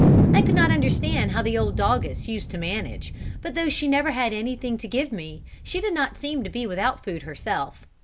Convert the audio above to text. I could not understand how the old doggess used to manage, but though she never had anything to give me, she did not seem to be without food herself.